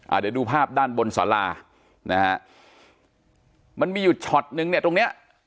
เดี๋ยวดูภาพด้านบนสารานะฮะมันมีอยู่ช็อตนึงเนี่ยตรงเนี้ย